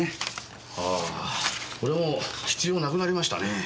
ああこれもう必要なくなりましたね。